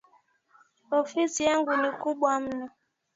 Ofisi yangu ni kubwa mno